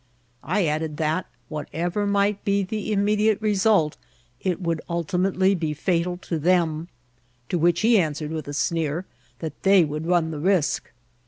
I added that, whatever might be the immediate result, it would ultimately be fatal to them ; to which he answered, with a sneer, that they would run the risk.